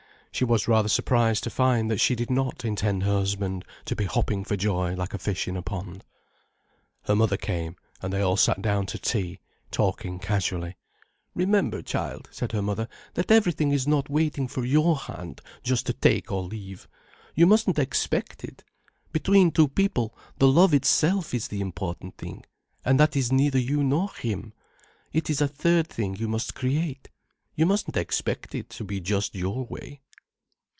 She was rather surprised to find that she did not intend her husband to be hopping for joy like a fish in a pond. Her mother came, and they all sat down to tea, talking casually. "Remember, child," said her mother, "that everything is not waiting for your hand just to take or leave. You mustn't expect it. Between two people, the love itself is the important thing, and that is neither you nor him. It is a third thing you must create. You mustn't expect it to be just your way."